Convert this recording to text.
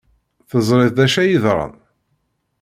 Teẓriḍ d acu ay yeḍran?